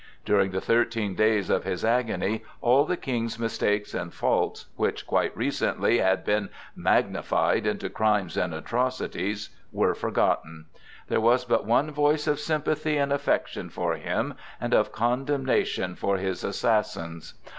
During the thirteen days of his agony all the King's mistakes and faults, which quite recently had been magnified into crimes and atrocities, were forgotten; there was but one voice of sympathy and affection for him and of condemnation for his assassins.